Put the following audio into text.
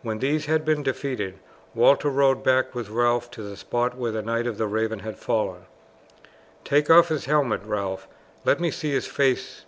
When these had been defeated Walter rode back with Ralph to the spot where the Knight of the Raven had fallen. "Take off his helmet, Ralph. Let me see his face.